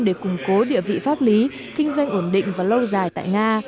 để củng cố địa vị pháp lý kinh doanh ổn định và lâu dài tại nga